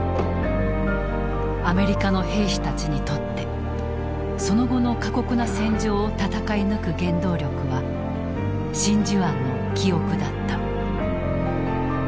アメリカの兵士たちにとってその後の過酷な戦場を戦い抜く原動力は真珠湾の記憶だった。